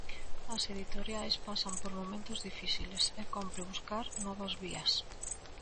As editoriais pasan por momentos difíciles e compre buscar novas vías.